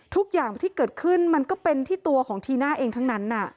ทุกอย่างที่เกิดขึ้นมันก็เป็นที่ตัวของทีน่าเองทั้งนั้น